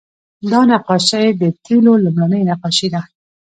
دا نقاشۍ د تیلو لومړنۍ نقاشۍ دي